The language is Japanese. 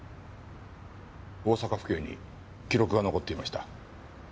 大阪府警に記録が残っていました。